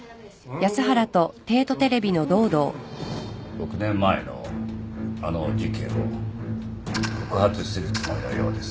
６年前のあの事件を告発するつもりのようです。